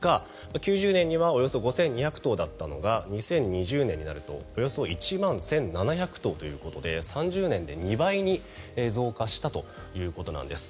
９０年にはおよそ５２００頭だったのが２０２０年になるとおよそ１万１７００頭ということで３０年で２倍に増加したということなんです。